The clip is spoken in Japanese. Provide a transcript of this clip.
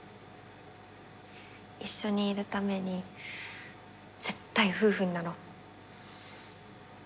一緒にいるために絶対夫婦になろう。